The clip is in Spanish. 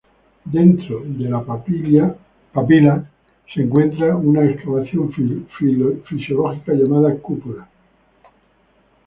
Dentro de la papila se encuentra una excavación fisiológica llamada cúpula.